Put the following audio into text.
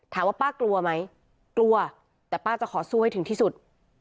ถามว่าป้ากลัวไหมกลัวแต่ป้าจะขอสู้ให้ถึงที่สุด